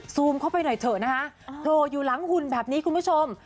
ซูมเข้าไปหน่อยเถอะนะคะโผล่อยู่หลังหุ่นแบบนี้คุณผู้ชม